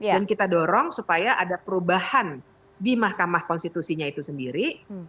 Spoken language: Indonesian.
dan kita dorong supaya ada perubahan di mahkamah konstitusinya itu sendiri